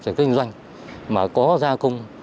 với các kinh doanh mà có ra công